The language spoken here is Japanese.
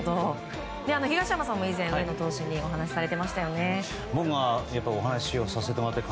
東山さんも以前上野投手とお話しされていましたよね。